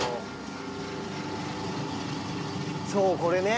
そうこれね。